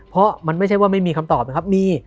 เพราะมันไม่ใช่ว่าไม่มีคำตอบนะครับมี